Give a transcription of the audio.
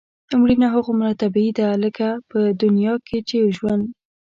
مړینه هغومره طبیعي ده لکه په دې دنیا کې چې ژوند.